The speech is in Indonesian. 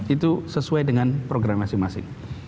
itu sesuai dengan program masing masing